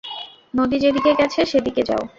নদী যেদিকে গেছে সেদিকে যাও।